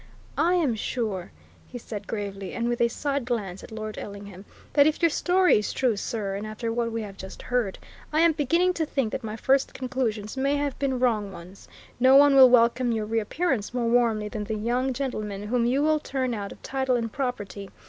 "I am sure," he said gravely, and with a side glance at Lord Ellingham, "that if your story is true, sir, and after what we have just heard, I am beginning to think that my first conclusions may have been wrong ones, no one will welcome your reappearance more warmly than the young gentleman whom you will turn out of title and property!